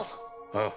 ああ。